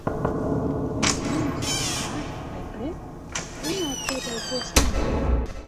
"Neviens "par" vai "pret" runāt pieteicies nav."